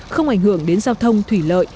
không ảnh hưởng đến giao thông thủy lợi